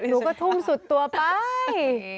หนูก็ทุ่มสุดตัวไป